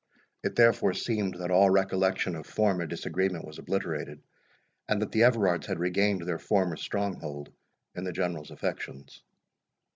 It therefore seemed, that all recollection of former disagreement was obliterated, and that the Everards had regained their former stronghold in the General's affections.